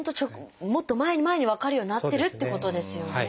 もっと前に前に分かるようになってるっていうことですよね。